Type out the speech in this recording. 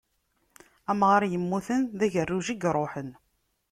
Amɣar yemmuten, d agerruj i yeṛuḥen.